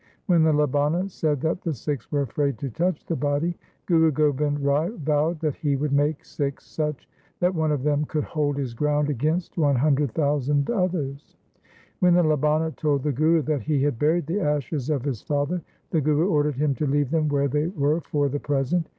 When the Labana said that the Sikhs were afraid to touch the body, Guru Gobind Rai vowed that he would make Sikhs such that one of them could hold his ground against one hundred thousand others. When the Labana told the Guru that he had buried the ashes of his father, the Guru ordered him to leave them where they were for the present.